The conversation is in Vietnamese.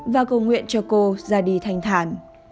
và cầu nguyện cho cô ra đi thanh thản